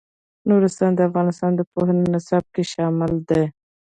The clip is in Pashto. نورستان د افغانستان د پوهنې نصاب کې شامل دي.